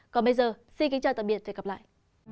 còn bây giờ xin kính chào tạm biệt và hẹn gặp lại